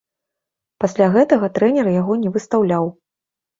Пасля гэтага трэнер яго не выстаўляў.